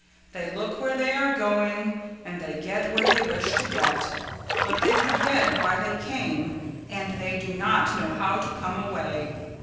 They look where they are going and they get where they wish to get, but they forget why they came and they do not know how to come away.